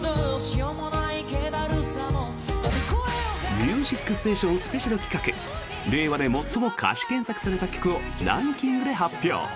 「ミュージックステーション」スペシャル企画令和で最も歌詞検索された曲をランキングで発表！